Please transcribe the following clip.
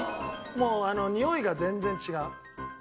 もうにおいが全然違う。